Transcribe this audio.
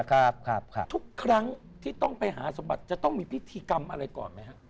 ทุกครั้งที่ต้องไปหาสมบัติจะต้องมีพิธีกรรมอะไรก่อนไหมฮะ